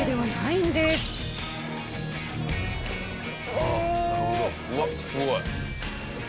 うわっすごい。